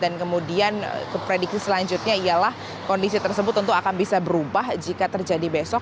dan kemudian prediksi selanjutnya ialah kondisi tersebut tentu akan bisa berubah jika terjadi besok